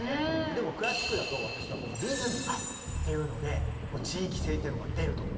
でもクラシックだと私はリズムっていうので地域性っていうのが出ると思ってて。